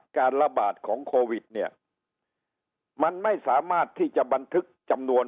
การระบาดของโควิดเนี่ยมันไม่สามารถที่จะบันทึกจำนวน